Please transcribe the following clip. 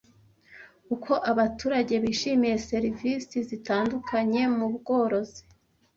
Uko abaturage bishimiye serivisi zitandukanye mu bworozi